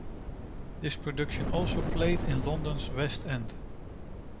This production also played in London's West End.